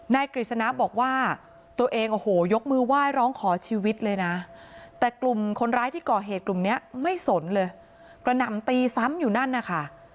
กฤษณะบอกว่าตัวเองโอ้โหยกมือไหว้ร้องขอชีวิตเลยนะแต่กลุ่มคนร้ายที่ก่อเหตุกลุ่มนี้ไม่สนเลยกระหน่ำตีซ้ำอยู่นั่นนะคะ